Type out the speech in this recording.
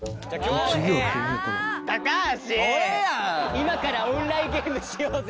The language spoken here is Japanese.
「今からオンラインゲームしようぜ」